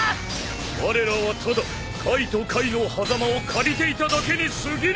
われらはただ階と階のはざまを借りていただけにすぎぬ！